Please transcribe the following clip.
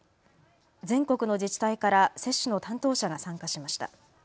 全国の自治体から接種の担当者が参加しました。